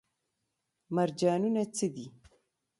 مرجانونه څه دي؟